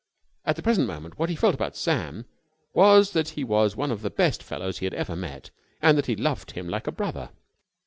At the present moment what he felt about Sam was that he was one of the best fellows he had ever met and that he loved him like a brother.